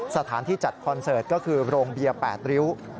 สถานที่จัดคอนเสิร์ตก็คือโรงเบียร์๘ริ้ว